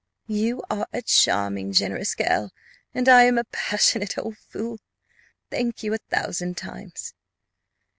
"You are a charming, generous girl, and I am a passionate old fool thank you a thousand times."